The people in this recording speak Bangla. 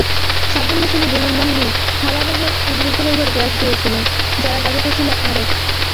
সাদ্দাম হোসেনের বিমানবাহিনী হালাবজার কুর্দিদের ওপর গ্যাস দিয়েছিল, যারা জাতিতে ছিল আরব।